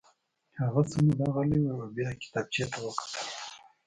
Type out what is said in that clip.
هغه څه موده غلی و او بیا یې کتابچې ته وکتل